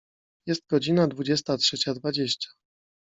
Jest godzina dwudziesta trzecia dwadzieścia.